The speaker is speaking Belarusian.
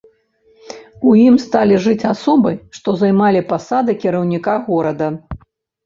У ім сталі жыць асобы, што займалі пасады кіраўніка горада.